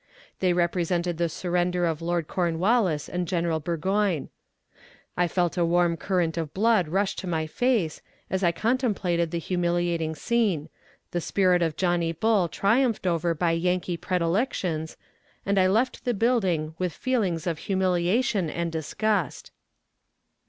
They represented the surrender of Lord Cornwallis and General Burgoyne. I felt a warm current of blood rush to my face, as I contemplated the humiliating scene the spirit of Johnny Bull triumphed over my Yankee predilections and I left the building with feelings of humiliation and disgust.